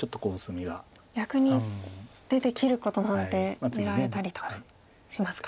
逆に出て切ることなんて狙えたりとかしますか。